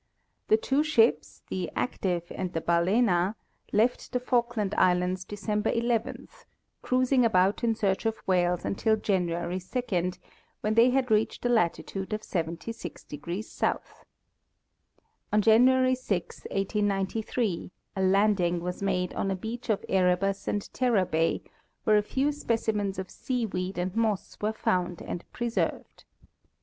The two ships, the Active and the Balzna, left the Falkland islands December 11, cruising about in search of whales until January 2, when they had reached a latitude of 67° S. On January 6, 1893, a landing was made ona beach of Erebus and Terror bay, where a few specimens of seaweed and moss were found and preserved.